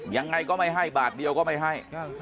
ยังไงก็ไม่ให้บาทเดียวก็ไม่ให้